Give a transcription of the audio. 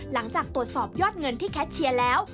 หลังจากตรวจสอบยอดเงินที่แคทเชียร์แล้ว